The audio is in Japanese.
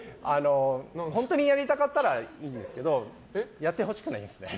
本当にやりたかったらいいんですけどやってほしくないですね。